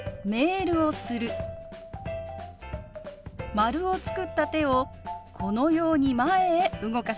丸を作った手をこのように前へ動かします。